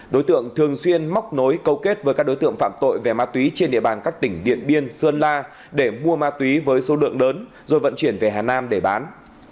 đối tượng thường xuyên móc nối câu kết với các đối tượng phạm tội về ma túy trên địa bàn các tỉnh điện biên sơn la để mua ma túy với số lượng lớn rồi vận chuyển về hà nam để bán